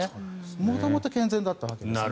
元々、健全だったわけですね。